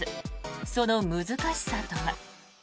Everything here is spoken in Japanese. その難しさとは。